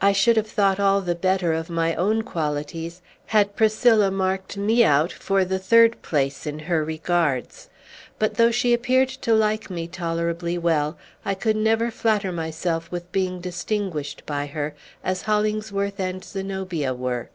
I should have thought all the better of my own qualities had Priscilla marked me out for the third place in her regards. But, though she appeared to like me tolerably well, I could never flatter myself with being distinguished by her as Hollingsworth and Zenobia were.